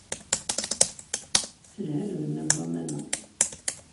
Telha lbenna n waman-a.